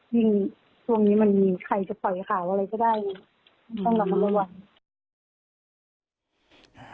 ยิ่งช่วงนี้มันมีใครจะปล่อยข่าวอะไรก็ได้ต้องระมัดระวัง